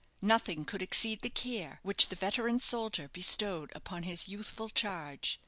Nothing could exceed the care which the veteran soldier bestowed upon his youthful charge.